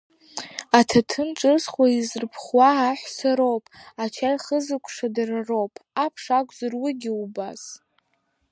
Аҭаҭын ҿызхуа, изрыԥхуа аҳәса роуп, ачаи хызыҟәшәо дара роуп, аԥш акәзар, уигьы убас.